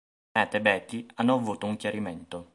Matt e Betty hanno avuto un chiarimento.